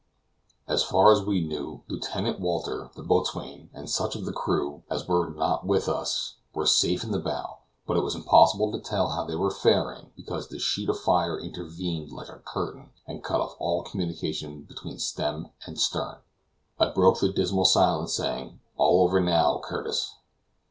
As far as we knew, Lieutenant Walter, the boatswain, and such of the crew as were not with us, were safe in the bow; but it was impossible to tell how they were faring, because the sheet of fire intervened like a curtain, and cut off all communication between stem and stern. I broke the dismal silence, saying, "All over now Curtis."